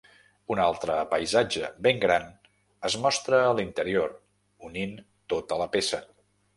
Un altre paisatge ben gran es mostra a l'interior, unint tota la peça.